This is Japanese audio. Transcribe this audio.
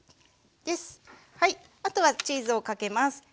はいあとはチーズをかけます。